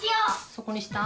そこにした？